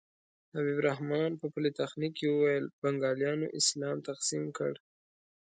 حبیب الرحمن په پولتخنیک کې وویل بنګالیانو اسلام تقسیم کړ.